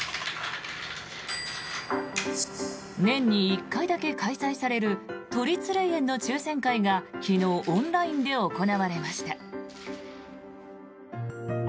年に１回だけ開催される都立霊園の抽選会が昨日、オンラインで行われました。